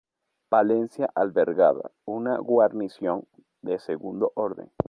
Palencia albergaba una guarnición de segundo orden.